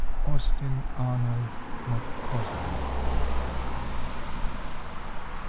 —Austin Arnold McCausland.